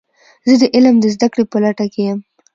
زه د علم د زده کړې په لټه کې یم.